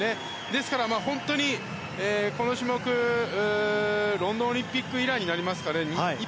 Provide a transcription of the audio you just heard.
ですからこの種目ロンドンオリンピック以来になりますかね。